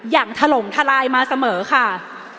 อย่างถล่มทลายมาเสมอค่ะ